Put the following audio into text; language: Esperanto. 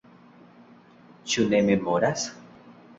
Ĉu ne memoras?